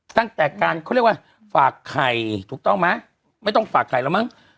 ตั้งแต่การเขาเรียกว่าฝากไข่ถูกต้องไหมไม่ต้องฝากไข่แล้วมั้ง